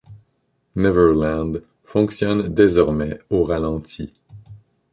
Neverland fonctionne désormais au ralenti.